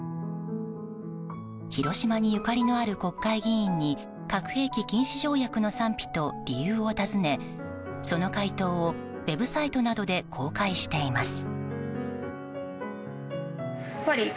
広島にゆかりのある国会議員に核兵器禁止条約の賛否と理由を尋ね、その回答をウェブサイトなどで公開しています。